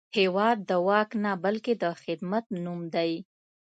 هېواد د واک نه، بلکې د خدمت نوم دی.